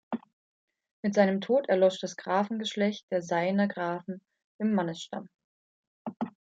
Mit seinem Tod erlosch das Grafengeschlecht der Sayner Grafen im Mannesstamm.